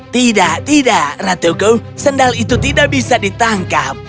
tidak tidak ratuku sendal itu tidak bisa ditangkap